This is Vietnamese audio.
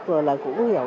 rồi là cũng hiểu thêm